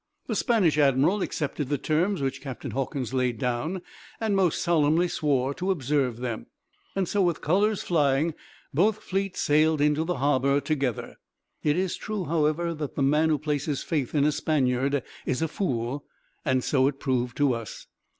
The Spanish admiral accepted the terms which Captain Hawkins laid down, and most solemnly swore to observe them. "So with colors flying, both fleets sailed into the harbor together. It is true, however, that the man who places faith in a Spaniard is a fool, and so it proved to us.